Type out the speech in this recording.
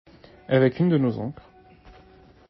Avec une de nos ancres.